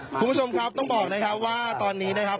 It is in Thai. คุณผู้ชมครับต้องบอกนะครับว่าตอนนี้นะครับ